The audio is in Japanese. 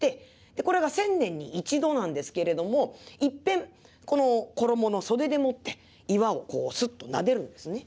でこれが千年に一度なんですけれどもいっぺんこの衣の袖でもって岩をスッとなでるんですね。